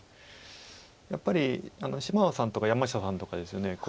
やっぱり芝野さんとか山下さんとかですよね